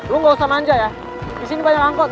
lo gausah manja ya disini banyak angkot